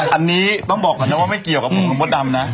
อันนี้ต้องบอกก่อนนะว่าไม่เกี่ยวกับผมมดดำนะ